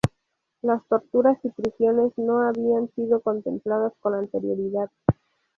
Las torturas y prisiones no habían sido contempladas con anterioridad.